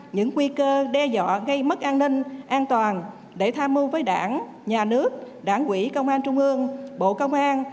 những nguy cơ đe dọa gây mất an ninh an toàn để tham mưu với đảng nhà nước đảng quỹ công an trung ương bộ công an